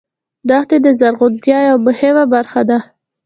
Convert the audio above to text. دښتې د زرغونتیا یوه مهمه نښه ده.